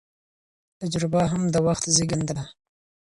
تجربه د وخت زېږنده ده.